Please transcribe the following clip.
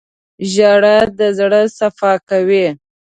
• ژړا د زړه صفا کوي.